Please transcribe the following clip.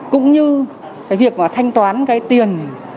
cũng như việc thanh toán tiền